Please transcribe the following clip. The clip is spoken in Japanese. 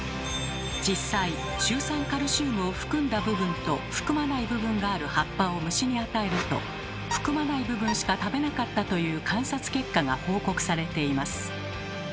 実際シュウ酸カルシウムを含んだ部分と含まない部分がある葉っぱを虫に与えると含まない部分しか食べなかったという観察結果が報告されています。